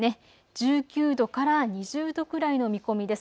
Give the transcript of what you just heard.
１９度から２０度くらいの見込みです。